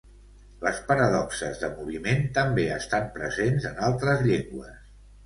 Les paradoxes de moviment també estan presents en altres llengües.